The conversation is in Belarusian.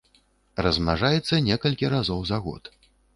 Размнажаецца некалькі разоў за год.